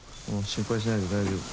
心配しないで大丈夫。